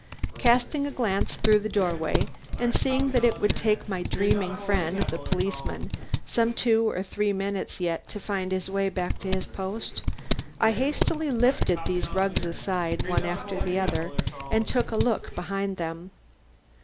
Casting a glance through the doorway and seeing that it would take my dreaming friend, the policeman, some two or three minutes yet to find his way back to his post, I hastily lifted these rugs aside, one after the other, and took a look behind them.